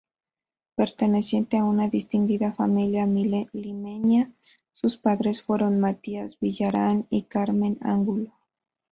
Perteneciente a una distinguida familia limeña, sus padres fueron Matías Villarán y Carmen Angulo.